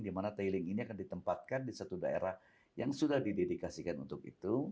dimana tailing ini akan ditempatkan di satu daerah yang sudah didedikasikan untuk itu